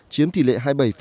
chiếm tỷ lệ hai mươi bảy tám